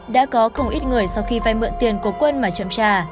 đã có không ít người sau khi vai mượn tiền của quân mà chậm trà